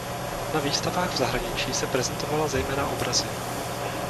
Na výstavách v zahraničí se prezentovala zejména obrazy.